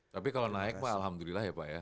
tapi kalau naik pak alhamdulillah ya pak ya